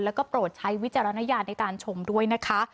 แล้วก็โปรดใช้วิจารณญาณในการชมด้วยนะคะ